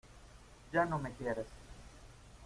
¡ ya no me quieres!